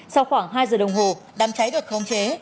sau khoảng hai giờ đồng hồ đám cháy được không chế